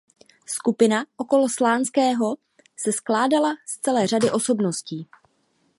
Skupina okolo Slánského se skládala z celé řady osobností.